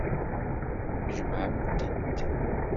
Jemɛent-tent.